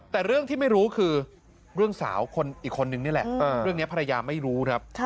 แต่เรื่องที่ไม่รู้คือเรื่องสาวอีกคนนึงนี่แหละเรื่องนี้ภรรยาไม่รู้ครับ